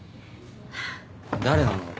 誰なの？